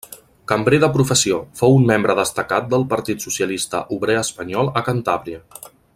Cambrer de professió, fou un membre destacat del Partit Socialista Obrer Espanyol a Cantàbria.